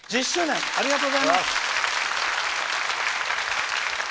ありがとうございます。